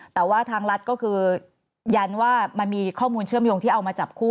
แต่ว่าทางรัฐก็คือยันว่ามันมีข้อมูลเชื่อมโยงที่เอามาจับคู่